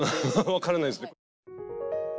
分からないですね。